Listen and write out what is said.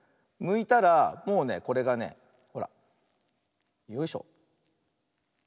むいたらもうねこれがねほらよいしょ。